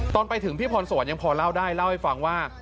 ตอนไปถึงพี่พรสวรรค์ยังพอเล่าได้เล่าให้ฟังว่า